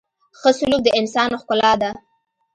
• ښه سلوک د انسان ښکلا ده.